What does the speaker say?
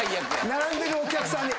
並んでるお客さんに。